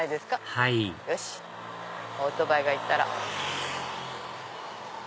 はいオートバイが行ったら。